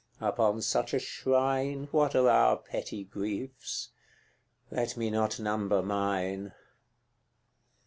Upon such a shrine What are our petty griefs? let me not number mine.